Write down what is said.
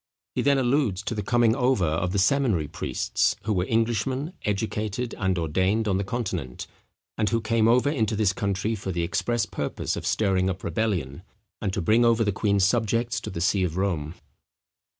He then alludes to the coming over of the seminary priests, who were Englishmen, educated and ordained on the Continent, and who came over into this country for the express purpose of stirring up rebellion, and to bring over the queen's subjects to the see of Rome.